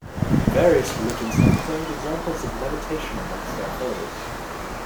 Various religions have claimed examples of levitation amongst their followers.